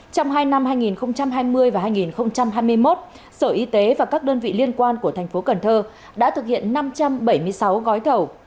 trong hai năm hai nghìn hai mươi và hai nghìn hai mươi một sở y tế và các đơn vị liên quan của tp cnh đã thực hiện năm trăm bảy mươi sáu gói thầu